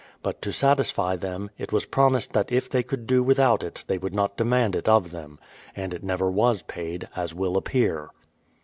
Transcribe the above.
But to satisfy them, it was prom ised that if they could do without it they would not demand it of them. And it never was paid, as will appear.